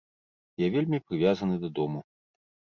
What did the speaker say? Я вельмі прывязаны да дому.